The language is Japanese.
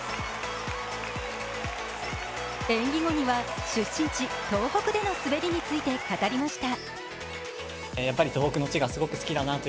演技後には出身地・東北での滑りについて語りました。